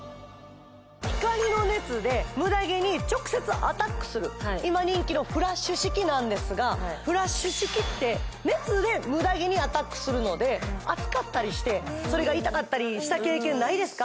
光の熱でムダ毛に直接アタックする今人気のフラッシュ式なんですがフラッシュ式って熱でムダ毛にアタックするので熱かったりしてそれが痛かったりした経験ないですか？